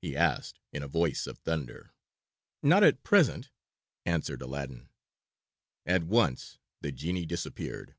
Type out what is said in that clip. he asked in a voice of thunder. "Not at present," answered Aladdin. At once the genie disappeared.